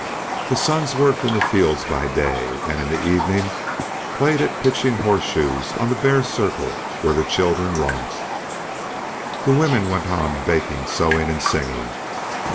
The sons worked in the fields by day, and in the evening played at pitching horseshoes on the bare circle where the children romped. The women went on baking, sewing, and singing.